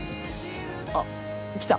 あっ来た！